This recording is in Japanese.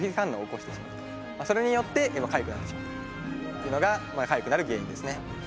それによってかゆくなってしまうというのがかゆくなる原因ですね。